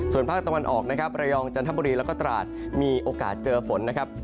ส่วนภาคตะวันออกนะครับระยองจันทบุรีแล้วก็ตราดมีโอกาสเจอฝนนะครับ